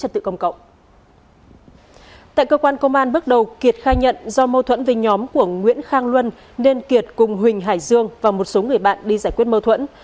trong bước đầu kiệt khai nhận do mâu thuẫn về nhóm của nguyễn khang luân nên kiệt cùng huỳnh hải dương và một số người bạn đi giải quyết mâu thuẫn